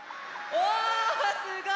おおすごい！